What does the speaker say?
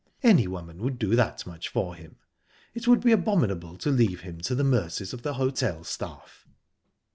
"Any woman would do that much for him. It would be abominable to leave him to the mercies of the hotel staff."